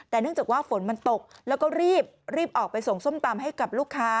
แต่เนื่องจากว่าฝนมันตกแล้วก็รีบรีบออกไปส่งส้มตำให้กับลูกค้า